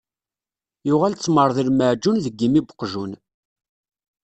Yuɣal ttmeṛ d lmeɛǧun deg imi n uqjun.